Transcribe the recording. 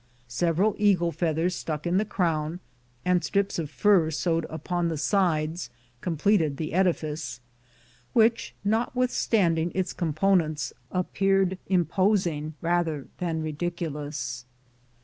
Sev eral eagle feathers stuck in the crown and strips of fur sewed upon the sides completed the edifice, which, notwithstanding its components, appeared imposing rather than ridiculous.